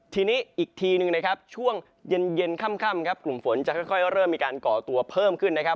ทีนี้อีกทีหนึ่งนะครับช่วงเย็นค่ำครับกลุ่มฝนจะค่อยเริ่มมีการก่อตัวเพิ่มขึ้นนะครับ